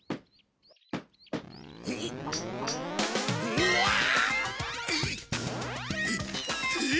うわっ！